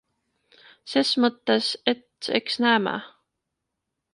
Ses mõttes, et eks näeme.